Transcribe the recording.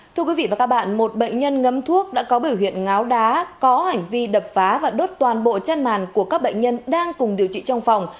thưa quý vị và các bạn một bệnh nhân ngấm thuốc đã có biểu hiện ngáo đá có hành vi đập phá và đốt toàn bộ chân màn của các bệnh nhân đang cùng điều trị trong phòng